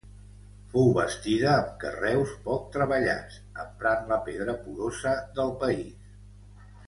Fou bastida amb carreus poc treballats, emprant la pedra porosa del país.